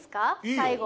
最後。